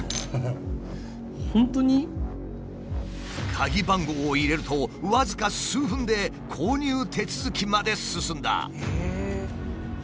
鍵番号を入れると僅か数分で購入手続きまで進んだ。